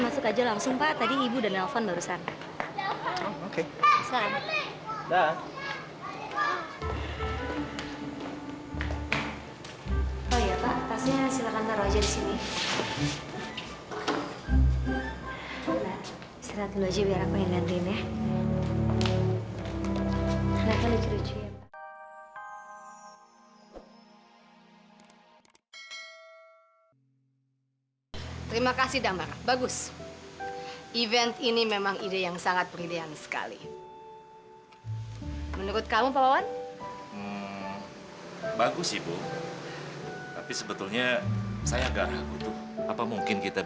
sampai jumpa di video selanjutnya